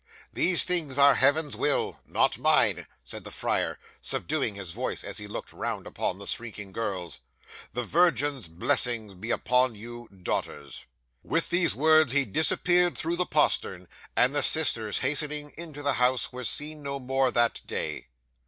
These things are Heaven's will, not mine," said the friar, subduing his voice as he looked round upon the shrinking girls. "The Virgin's blessing be upon you, daughters!" 'With these words he disappeared through the postern; and the sisters hastening into the house were seen no more that day.